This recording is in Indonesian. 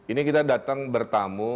ini kita datang bertamu